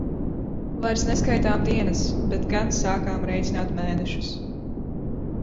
Vairs neskaitām dienas, bet gan sākām rēķināt mēnešus.